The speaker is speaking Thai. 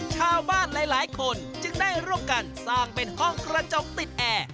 ชาวบ้านหลายคนจึงได้ร่วมกันสร้างเป็นห้องกระจกติดแอร์